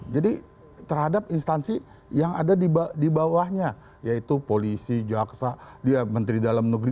jadi terhadap instansi yang ada di bawahnya yaitu polisi jaksa menteri dalam negeri